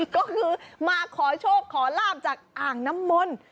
ก็คือมาขอโชคขอลาบจากอ่างน้ำมนต์